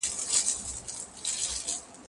زه به سبا نان خورم!؟